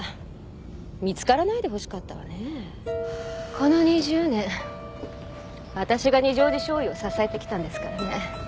この２０年私が二条路醤油を支えてきたんですからね。